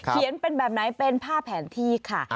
เป็นแบบไหนเป็นผ้าแผนที่ค่ะ